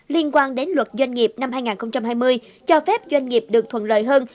liên quan đến luật doanh nghiệp năm hai nghìn hai mươi cho phép doanh nghiệp được thuận lợi hơn